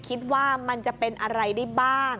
คิดว่ามันจะเป็นอะไรได้บ้าง